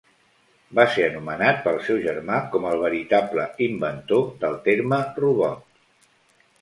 Va ser anomenat pel seu germà com el veritable inventor del terme "robot".